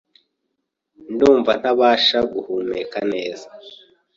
ndumva ntabasha guhemka neza